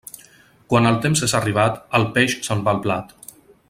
Quan el temps és arribat, el peix se'n va al plat.